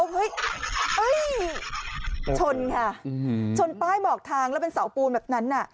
เฮ้ยชนค่ะชนป้ายบอกทางแล้วเป็นเสาปูนแบบนั้นน่ะ